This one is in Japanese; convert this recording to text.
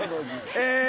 え